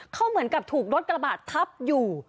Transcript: เขาเหมือนกับถูกรถกระบะทับอยู่